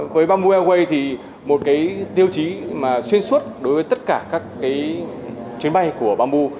với bamboo airways một tiêu chí xuyên suốt đối với tất cả các chuyến bay của bamboo